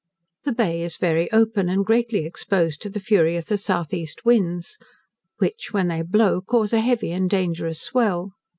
The Bay is very open, and greatly exposed to the fury of the S.E. winds, which, when they blow, cause a heavy and dangerous swell.